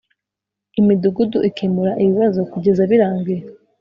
Imidugudu ikemura ibibazo kugeza birangiye